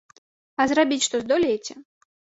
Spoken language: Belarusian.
А зрабіць што здолееце?